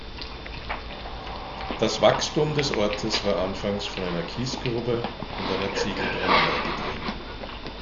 Das Wachstum des Ortes war anfangs von einer Kiesgrube und einer Ziegelbrennerei getrieben.